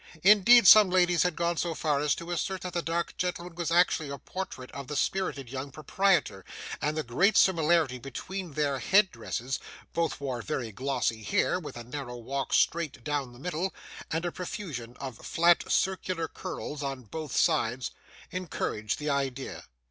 Indeed, some ladies had gone so far as to assert, that the dark gentleman was actually a portrait of the spirted young proprietor; and the great similarity between their head dresses both wore very glossy hair, with a narrow walk straight down the middle, and a profusion of flat circular curls on both sides encouraged the idea.